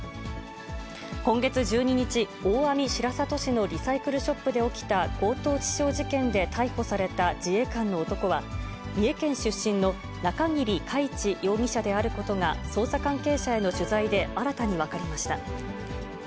今月１２日、大網白里市のリサイクルショップで起きた強盗致傷事件で逮捕された自衛官の男は、三重県出身の中桐海知容疑者であることが、捜査関係者への取材で新たに分かりました。